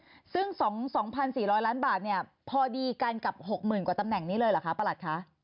ซึ่ง๒๔๐๐ล้านบาทเนี่ยพอดีกันกับ๖๐๐๐กว่าตำแหน่งนี้เลยเหรอคะประหลัดคะ